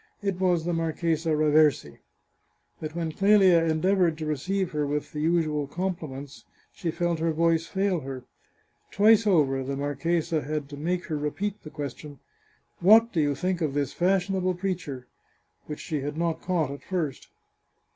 It was the Marchesa Raversi. But when Clelia endeavoured to receive her with the usual compli ments, she felt her voice fail her. Twice over the marchesa had to make her repeat the question, " What do you think of this fashionable preacher ?" which she had not caught at first.